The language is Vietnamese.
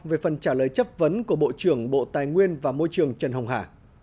về phần trả lời chất vấn của bộ trưởng bộ tài nguyên và môi trường trần hồng hà